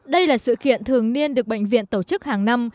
đây là sự kiện thường niên được bệnh viện tổ chức hàng năm